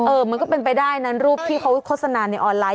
มันก็เป็นไปได้นะรูปที่เขาโฆษณาในออนไลน